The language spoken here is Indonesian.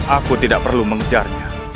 aku tidak perlu mengejarnya